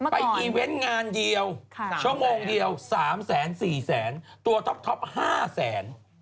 อีเวนต์งานเดียวชั่วโมงเดียว๓แสน๔แสนตัวท็อป๕แสน